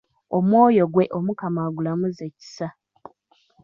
Omwoyo gwe Omukama agulamuze kisa!